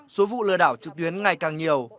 số vụ lừa đảo trực tuyến ngày càng nhiều